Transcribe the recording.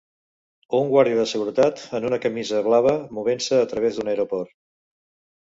Un guàrdia de seguretat en una camisa blava movent-se a través d'un aeroport